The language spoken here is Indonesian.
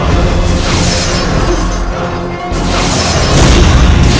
kami akan mengembalikan mereka